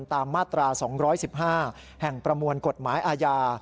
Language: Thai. ตามมาตรา๒๑๕แห่งประมวลกฎหมายอาญา